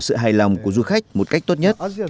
sự hài lòng của du khách một cách tốt nhất